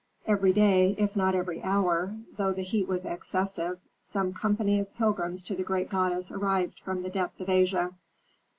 Every day, if not every hour, though the heat was excessive, some company of pilgrims to the great goddess arrived from the depth of Asia.